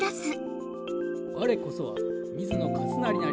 「我こそは水野勝成なり」。